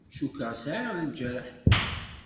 Cukkeɣ sɛiɣ lǧerḥ.